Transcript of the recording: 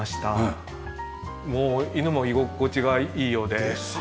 もう犬も居心地がいいようで。ですよね。